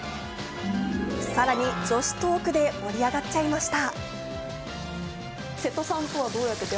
さらに女子トークで盛り上がっちゃいました。